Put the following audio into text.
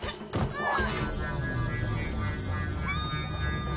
ああ！